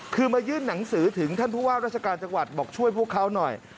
คือมายื่นหนังสือถึงท่านผู้ว่าราชการจังหวัดบอกช่วยพวกเขาหน่อย